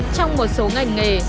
trong một số ngành nghề